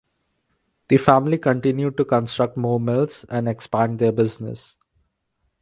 The family continued to construct more mills and expand their business.